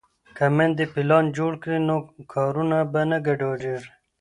که میندې پلان جوړ کړي نو کارونه به نه ګډوډېږي.